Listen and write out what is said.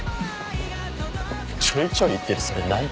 ちょいちょい言ってるそれ何？